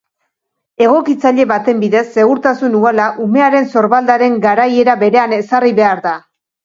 Egokitzaile baten bidez segurtasun uhala umearen sorbaldaren garaiera berean ezarri behar da.